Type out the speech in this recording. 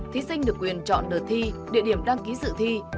thí sinh được quyền chọn đợt thi địa điểm đăng ký dự thi